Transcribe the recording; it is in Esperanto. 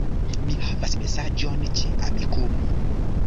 Mi havas mesaĝon ĉe Amikumu